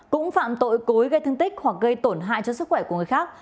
cũng phạm tội cối gây thương tích hoặc gây tổn hại cho sức khỏe của người khác